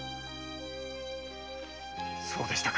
そうでしたか。